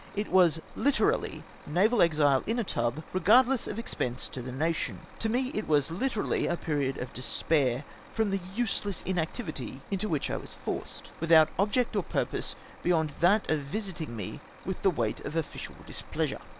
It was Hterally naval exile in a tub, regardless of expense to the nation. To me it was hterally a period of despair, from the useless inactivity into which I was forced, without object or purpose, beyond that of visiting me with the weight of official displeasure.